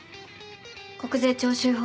国税徴収法